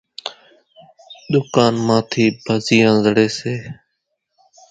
ۮُڪانَ مان ٿِي ڀزِيان زڙيَ سي۔